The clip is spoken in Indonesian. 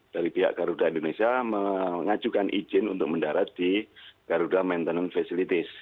dari pihak garuda indonesia mengajukan izin untuk mendarat di garuda maintenance facilities